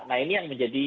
nah ini yang menjadi